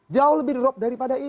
jauh lebih drop dari pandemi